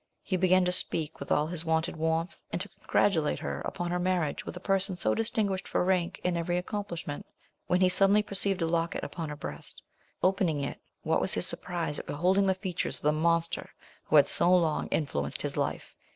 He began to speak with all his wonted warmth, and to congratulate her upon her marriage with a person so distinguished for rank and every accomplishment; when he suddenly perceived a locket upon her breast; opening it, what was his surprise at beholding the features of the monster who had so long influenced his life.